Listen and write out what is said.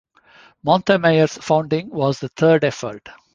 Montemayor's founding was the third effort.